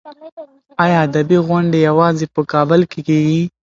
ایا ادبي غونډې یوازې په کابل کې کېږي؟